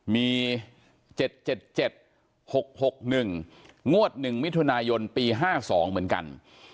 มี๗๗๖๖๑งวด๑มิถุนายนปี๕๒เหมือนกัน